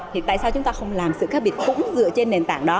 thì tại sao chúng ta không làm sự khác biệt cũng dựa trên nền tảng đó